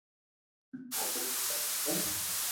پرم ڪنو ھي